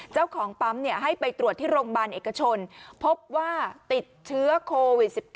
เจ้าของปั๊มให้ไปตรวจที่โรงพยาบาลเอกชนพบว่าติดเชื้อโควิด๑๙